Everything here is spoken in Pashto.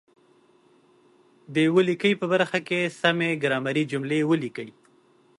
د ولیکئ په برخه کې سمې ګرامري جملې ولیکئ.